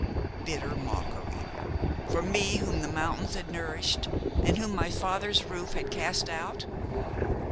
Bitter mockery! for me whom the mountains had nourished and whom my father's roof had cast out!